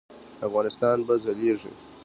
افغانستان به ځلیږي؟